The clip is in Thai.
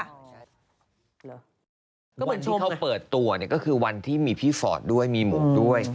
วันที่เขาเปิดตัวเนี่ยก็คือวันที่มีพี่ฟอร์ดด้วยมีหมวกด้วย